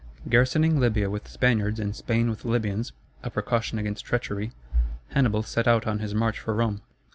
Garrisoning Libya with Spaniards, and Spain with Libyans (a precaution against treachery), Hannibal set out on his march for Rome.